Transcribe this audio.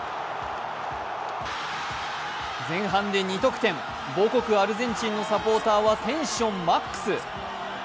前半で２得点、母国アルゼンチンのサポーターはテンションマックス！